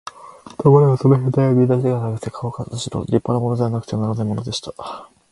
ところがその兵隊はみんな背が高くて、かおかたちの立派なものでなくてはならないのでした。